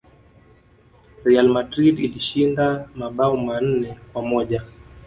real madrid ilishinda mabao manne kwa moja